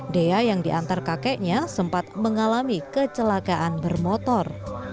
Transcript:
dea yang diantar kakeknya sempat mengalami kecelakaan bermotor